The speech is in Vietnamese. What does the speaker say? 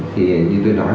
thì như tôi nói